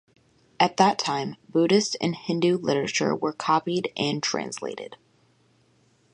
At that time, Buddhist and Hindu literature were copied and translated.